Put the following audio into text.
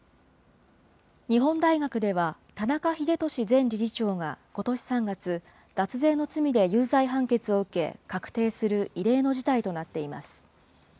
日本大学では田中英壽前理事長がことし３月、脱税の罪で有罪判決を受け、確定する異例の事態となっています。